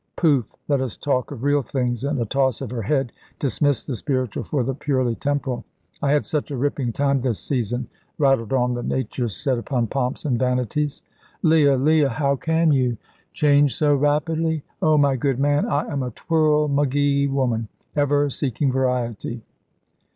"Pouf! Let us talk of real things"; and a toss of her head dismissed the spiritual for the purely temporal. "I had such a ripping time this season," rattled on the nature set upon pomps and vanities. "Leah, Leah! How can you?" "Change so rapidly? Oh, my good man, I am a twirl ma gee woman, ever seeking variety.